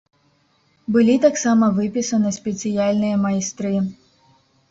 Былі таксама выпісаны спецыяльныя майстры.